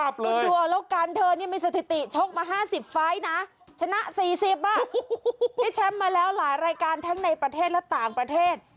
เพราะหลายรายการทั้งในประเทศและต่างประเทศ